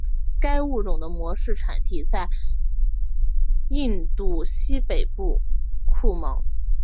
该物种的模式产地在印度西北部库蒙。